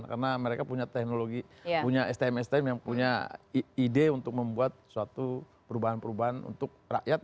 karena mereka punya teknologi punya stm stm yang punya ide untuk membuat suatu perubahan perubahan untuk rakyat